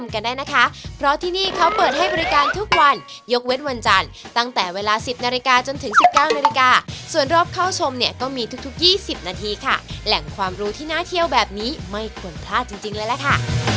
กันได้นะคะเพราะที่นี่เขาเปิดให้บริการทุกวันยกเว้นวันจันทร์ตั้งแต่เวลา๑๐นาฬิกาจนถึง๑๙นาฬิกาส่วนรอบเข้าชมเนี่ยก็มีทุก๒๐นาทีค่ะแหล่งความรู้ที่น่าเที่ยวแบบนี้ไม่ควรพลาดจริงเลยล่ะค่ะ